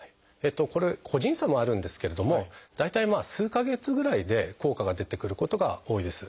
これ個人差もあるんですけれども大体数か月ぐらいで効果が出てくることが多いです。